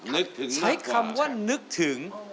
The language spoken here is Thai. นึกถึงใช้คำว่านึกถึง